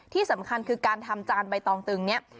ที่สำคัญคือการทำจานใบตองตึงเนี่ย